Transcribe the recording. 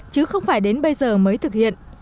chứ không phải đến bây giờ mới thực hiện